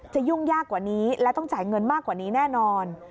ยุ่งยากกว่านี้และต้องจ่ายเงินมากกว่านี้แน่นอน